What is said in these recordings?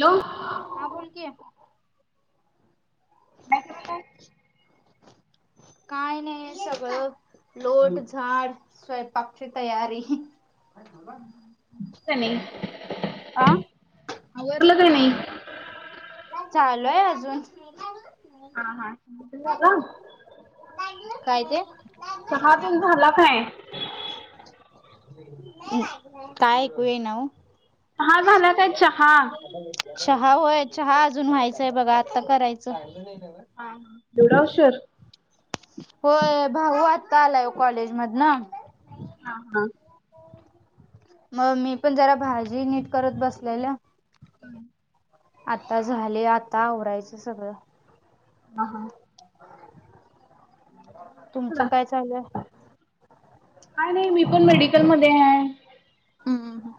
Hello. हां बोलं कि. [unintelligible] काय नाही सगळं लोट झाड स्वयपाकची तयारी. का नाही आ. आवरलं का नाही. चालू आय अजून. हा हा [unintelligible] झालं. काय ते चहा तेन झाला काय? काय ऐकू ईना ओ. हा झाला काय चहा. चहा होय चहा अजून व्हायचंय बघा आत्ता करायचं. हा हा एवढा हुशर. होय भाऊ आता आलाय कॉलेज मध न. हा हा. मग मी पण जरा भाजी नीट करत बसलेल आता झाले आता आवरायचं सगळं. ह हा. तुमचं तुला काय चाललंय? काय नाही मी पण मेडिकल मध्ये आहे. हम्म हम्म.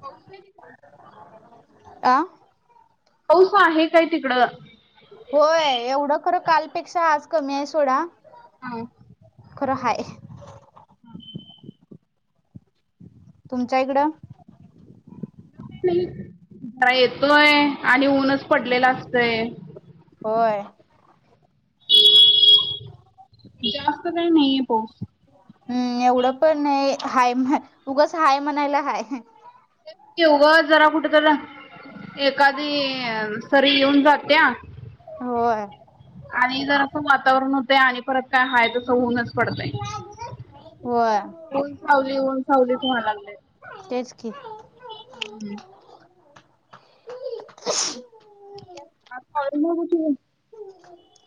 पाऊस आहे तिकडं? आह. पाऊस आहे काय तिकडं? होय एवढं खरं कालपेक्षा आज कमी आहे सोडा हम्म. खर हाय. हम तुमच्या इकडं नाही जरा येतोय आणि ऊनच पडलेल असतय होय. जास्त काही नाहीे पो हम्म एवढं पण नाय हाय उगस हाय म्हणायला हाय उगाच जरा कुठेतरी एखादी सरी येऊन जात्या होय आणि जरासं वातावरण होतं आणि परत काय हाय तसं ऊनच पडतय. होय ऊन सावली ऊन सावली व्हायला लागलय. तेच की [unintelligible] हाय पाय मोडीती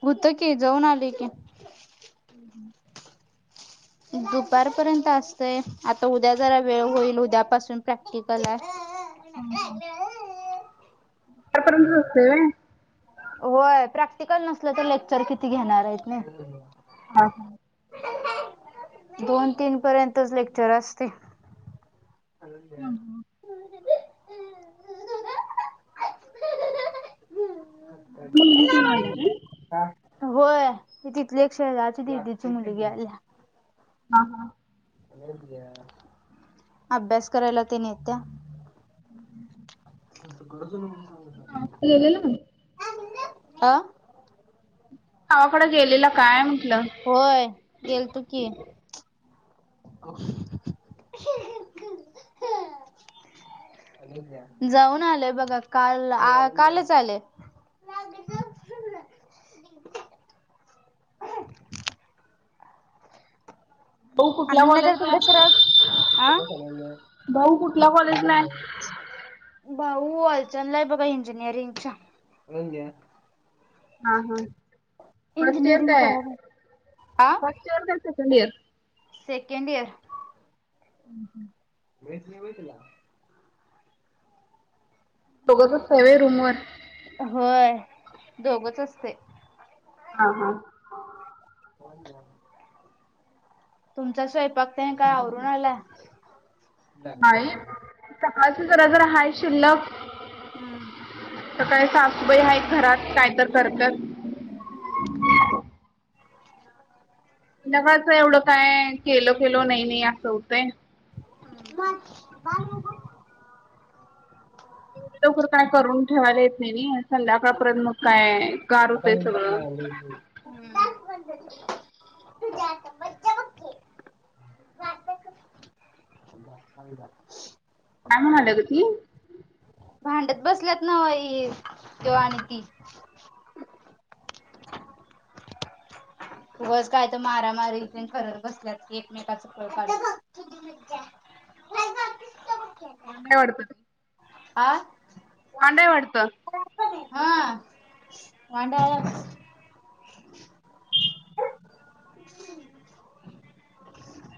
होत की जाऊन आले कि ह दुपारपर्यंत असतंय आता उद्या जरा वेळ होईल उद्यापासून प्रॅक्टिकल आहे. हम्म हम्म. [unintelligible] पर्यंतच असते नाय होय प्रॅक्टिकल नसलं तर लेक्चर किती घेणार आहेत नाय हा. दोन तीन पर्यंतच लेक्चर असते. [inaudible] तुम्ही [unintelligible] आल्या काय? होय तिथली एक शहराची दिदीची मुलगी आली. हा. अभ्यास करायला ते नेत्या [inaudible] हा गेलेलं [unintelligible] आह गावाकडं गेलेलं काय म्हटलं होय गेलतो की ह जाऊन आलेय बघा काल आ कालच आलेय [inaudible] [inaudible] भाऊ कुठल्या आनंद कॉलेजला नगर [unintelligible] आहे सराव भाऊ कुठल्या कॉलेजला आहे [unintelligible] भाऊ अलचणला आहे बघा इंजिनिअरिंगच्या. हा हा फस्ट इयर इंजिनिअरिंग काय करायला आ फस्ट इयर काय सेकंड इयर? Second year. हुं, हुं. मिळत नाही व्हय तिला? दोघच असताय व्हय रूमवर? होय दोघच असते. हा, हा. [inaudible] तुमचा स्वयंपाक तेन काय आवरून आला? नाही सकाळच जरा जरा हाय शिल्लक. हम्म सकाळी सासूबाई आहेत घरात कायतर करत्यात. हुं, हुं. संध्याकाळचं एवढं काय केलोकेलो नाहीनाही आसं होतय. हम्म [inaudible] लवकर काय करून ठेवायला येत नाही नी संध्याकाळपर्यंत मग काय गार आता [unintelligible] होतंय सगळं लागलय की [inaudible] [unintelligible] काय म्हणाल्या गं ती? भांडत बसल्यात नव्ह ही तो आणि ती. उगच काय तं मारामारी तेन करत बसल्यात एकमेकाचं कळ काढत. वांड हाय वाटत? आ वांड आहे वाटत? हा वांड आहे आगं. [inaudible]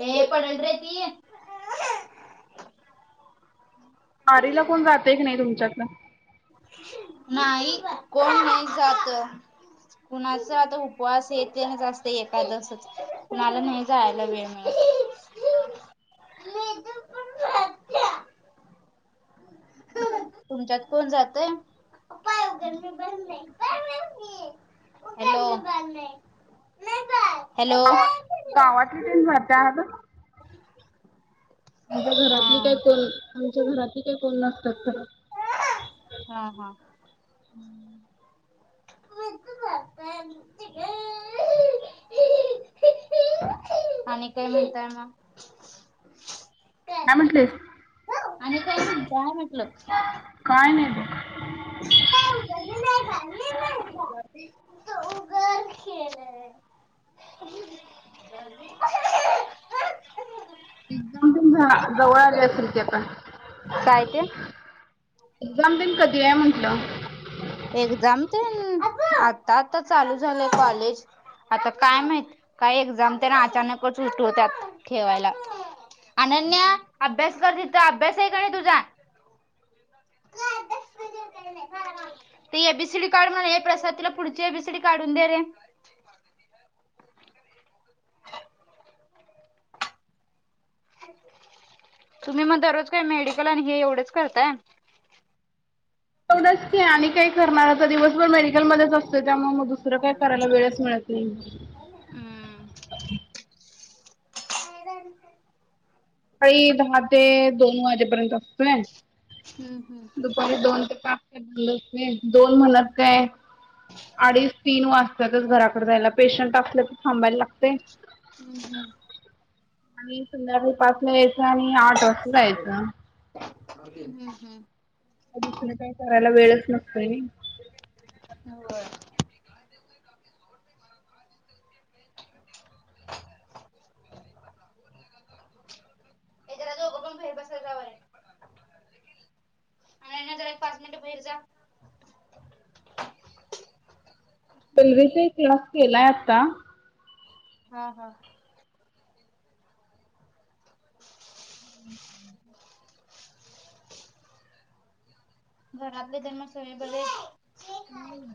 ये पडल रे ती. वारीला कोण जातय का नाही तुमच्यातलं? नाही कोण नाही जात. कुणाचा आता उपवास हे तेन आसतय एकादसच, कुणाला नाही जायला वेळ मिळत. हा, हा. तुमच्यात कोण जातय? हॅलो! हॅलो! गावा गावातली तेन जात्यात आमच्या हा घरातली काय कोण आमच्या घरातली काय कोण नसत्यात खरं. हा, हा. [inaudible] आणि काय म्हणताय मग? काय म्हटलीस आणि काय म्हणताय म्हटलं? काय नाही बघ. [inaudible] [inaudible] एक्झाम तेन झा जवळ आली आसल की आता? काय ते? एक्झामतेन कधी आहे म्हंटलं? एक्झामतेन आता आता चालू झालंय कॉलेज. आता काय माहित काय एक्झामतेन अचानकच उठूवत्यात ठेवायला. आनन्या अभ्यास कर तिथं, अभ्यास आहे का नाही तुझा? ते ए. बी. सी. डी काढ म्हणू ये प्रसाद तिला पुढची ए. बी. सी. डी काढून दे रे. तुम्ही मग दररोज काय मेडिकल आणि हे एवढेच करताय? एढच आणि काय करणार आता दिवसभर मेडिकलमध्येध्येच असते त्यामुळे म तुरा काय करायला वेळच मिळत नाही हम्म. काळी दहा ते दोन वाजेपर्यंत असतोय. हम्म हम्म दपारी दोन ते पाच बंद असते दोन म्हणत काय अडीच तीन वाजता तच घराकडे जायला पेशंट असले तर थांबायला लागते हम् आणि सुधर पासला यायचं आणि आठ वाजता जायचं. हम्म हम्म दिसून काही करायला वेळच नसतोय नी हो हे जरा दोघं पण बाहेर बसा जावा रे. अनन्या जरा पाच मिनिट भेर जा पल्वीचा क्लास केलाय आता हा हा घरातले त्यांना सोइबल ए हो मा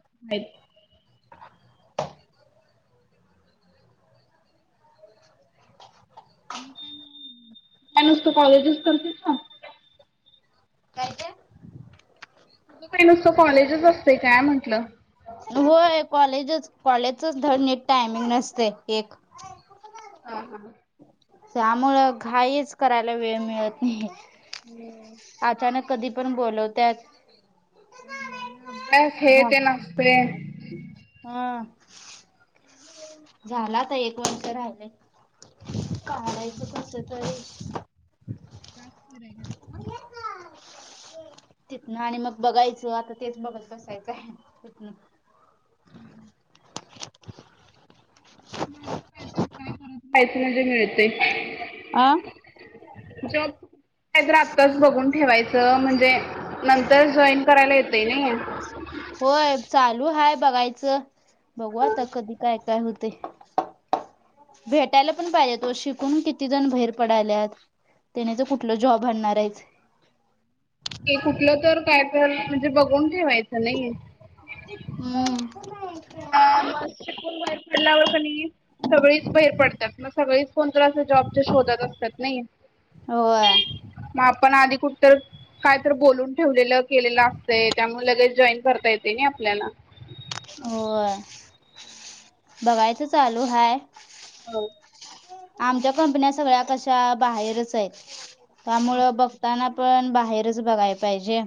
काय नुसत सकाळी करतीस का काय ते तुझं काही नसतं कॉलेजच असते काय म्हटलं होय कॉलेजच कॉलेजचच धड नीट टायमिंग नसते एक ह हा त्यामुळेळ घाईच करायला वेळ मिळत नाही हम् अचानक कधी पण बोलवतत अभ्यास हे ते नसते हम झाला तर एक वर्ष राहिलं काढायचं कस तररी लास्र आहे का ह तिथनं आणि मग बघायचं आता तेच बघत बसायचं आहे तिथनं हम्म यच म्हणजे मिळते आं जॉब काय तर आत्ताच बघून ठेवायचं म्हणजे नंतर जॉईन करायला येतय नाही होय चालू हाय बघायचं बघू आता कधी काय काय होते भेटायला पण पाहिजे तो शिकून किती जण बैर पडायल्यात त्याण्याच कुठलं जॉब आणणार आहेच कुठलं तर काय तर म्हणजे बघून ठेवायचं नाही. हम्म मग [unintelligible] शिकून बाहेर पडल्यावर क नाही सगळीच बाहेर पडतात मग सगळेच. कोण कोणाच्या जॉबच्या शोधात असतात नाही. होय मग आपण आधी कुठ तर काय तर बोलून ठेवलेलं. केलेला असत त्यामुळे लगेच जॉईन करता येते नाही आपल्याला होय बघायचं चालू हाय. हो. आमच्या कंपन्या सगळ्या कशा बाहेरच आहेत त्या मुळं बघताना पण बाहेरच बघाय पाहिजे.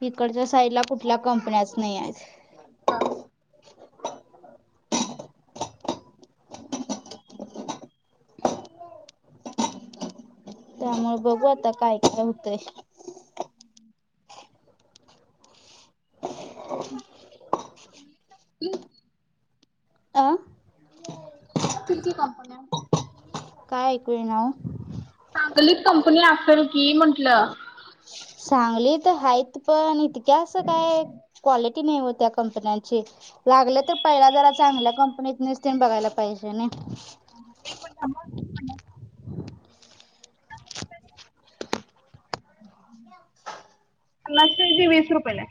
इकडच्या साईडला कुठल्या कंपन्याच नाहीयात. हा. त्यामुळ बघू आता काय काय होतंय. [unintelligible] [unintelligible] आ? किती कंपन्या काय ऐकू येईना. चांगली कंपनी असेल की म्हंटलं. सांगलीत हाईत पण इतक्या असं काय, क्वालि क्वालिटी नाही ओ त्या कंपन्यांची. लागलं तर पहिला जरा चांगल्या कंपनीतनीच बघायला पाहिजे नई. एक मिनिटं थांब ह. [unintelligible] वीस रुपयेला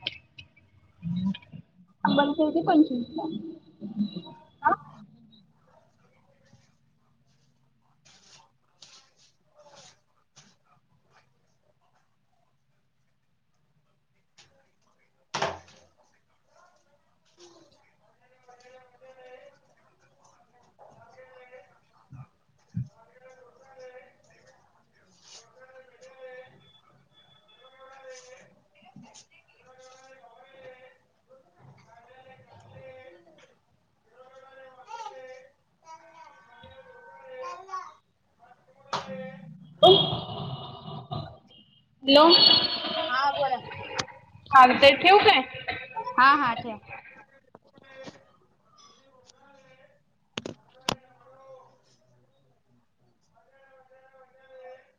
हाय [unintelligible] पंचवीसला हाय. हॅलो, हा बोला चालतंय ठेऊ काय? हा हा ठेव.